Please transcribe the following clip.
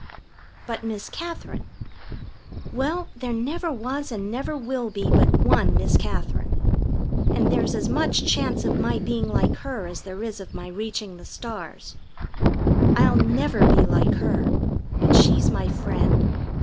But Miss Katherine well, there never was and never will be but one Miss Katherine, and there's as much chance of my being like her as there is of my reaching the stars. I'll never be like her, but she's my friend.